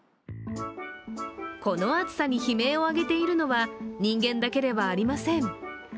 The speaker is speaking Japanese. この暑さに悲鳴を上げているのは人間だけではありません。